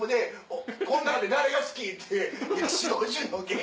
この中で誰が好き？って４０５０の芸人。